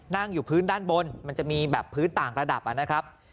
นั่งอยู่พื้นด้านบนมันจะมีแบบพื้นต่างระดับนะครับ